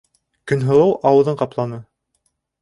- Көнһылыу ауыҙын ҡапланы.